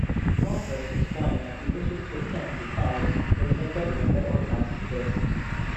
Norquist explained that he wishes to attend because, There's no government that organizes this.